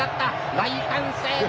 大歓声だ！